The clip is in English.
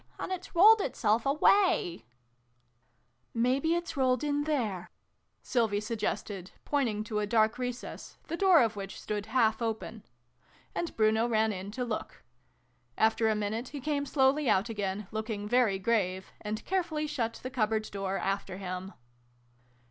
And it's rolled itself away !"" Maybe it's rolled in there" Sylvie sug gested, pointing to a dark recess, the door of which stood half open : and Bruno ran in to look. After a minute he came slowly out again, looking very grave, and carefully shut the cupboard door after him.